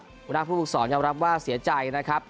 ผู้นักภูมิภูมิสอนยังรับว่าเสียใจนะครับ